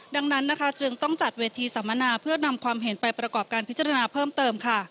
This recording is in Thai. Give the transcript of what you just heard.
ดังนั้นจึงต้องจัดเวทีสัมมนาเพื่อนำความเห็นไปประกอบการพิจารณาเพิ่มเติมค่ะ